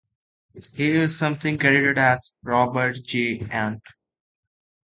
He is sometimes credited as Robert J. Gant.